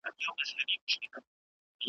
خان پر آس باند پښه واړول تیار سو .